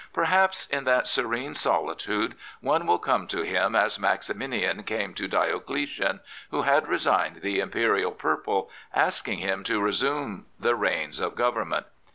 Perhaps in that serene solitude one will come to him as Maximian came to Diocletian, who had resigned the Imperial purple, asking him to resume the reins of government.